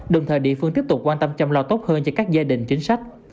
đồng thời địa phương tiếp tục quan tâm chăm lo tốt hơn cho các gia đình chính sách